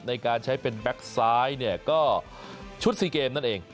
ในการใช้เป็นแก๊กซ้ายเนี่ยก็ชุดซีเกมนั่นเอง